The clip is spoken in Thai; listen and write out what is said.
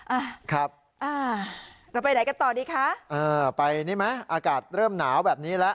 อ่าครับอ่าเราไปไหนกันต่อดีคะอ่าไปนี่ไหมอากาศเริ่มหนาวแบบนี้แล้ว